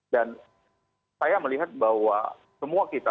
dan saya melihat bahwa semua kita